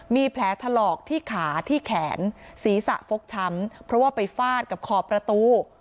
มีแผลถลอกที่ขาที่แขนศีรษะฟกช้ำเพราะว่าไปฟาดกับขอบประตู